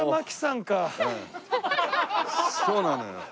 そうなのよ。